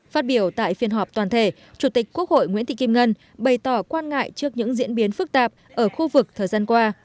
phát biểu tại phiên họp toàn thể chủ tịch quốc hội nguyễn thị kim ngân bày tỏ quan ngại trước những diễn biến phức tạp ở khu vực thời gian qua